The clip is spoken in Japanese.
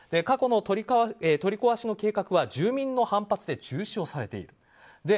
過去の取り壊しの計画は住民の反発で中止をされている。